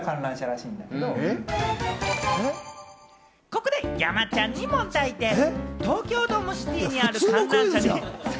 ここで山ちゃんに問題です。